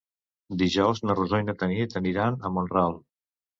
Dijous na Rosó i na Tanit aniran a Mont-ral.